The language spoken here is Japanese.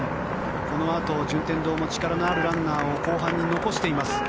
このあと、順天堂も力のあるランナーを後半に残しています。